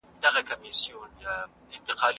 دا څېړنه به ستاسو پوهه ډېره زیاته کړي.